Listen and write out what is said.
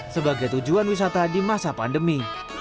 sebagai tujuan wisata di masa pandemi